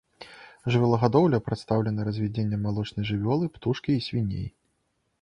Жывёлагадоўля прадстаўлена развядзеннем малочнай жывёлы, птушкі і свіней.